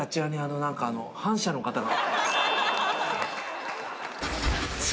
反社の方が。